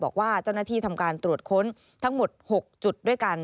บอกว่าเจ้าหน้าที่ทำการตรวจค้นทั้งหมด๖จุดด้วยกัน